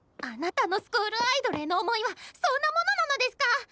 あなたのスクールアイドルへの想いはそんなものなのデスカ⁉